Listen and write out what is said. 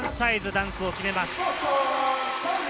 ダンクを決めます。